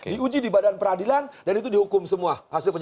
di uji di badan peradilan dan itu dihukum semua